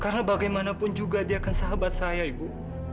karena bagaimanapun juga dia akan sahabat saya ibu